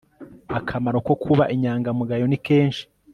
akamaro ko kuba inyangamugayo ni kenshi